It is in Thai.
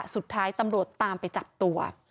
สุดท้ายตำรวจตามไปจับตัว